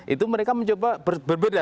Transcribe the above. itu mereka mencoba berbeda